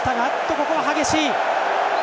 ここは激しい！